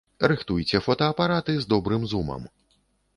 Рыхтуйце фотаапараты з добрым зумам!